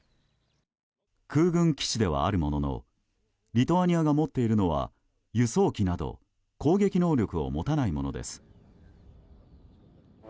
空軍基地ではあるもののリトアニアが持っているのは輸送機など攻撃能力持たないものです。